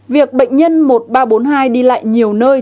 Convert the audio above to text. việc bệnh nhân một nghìn ba trăm bốn mươi hai đi lại nhiều nơi